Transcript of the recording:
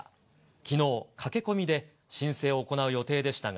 きのう、駆け込みで申請を行う予定でしたが。